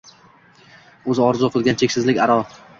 O’zi orzu qilgan cheksizlik aro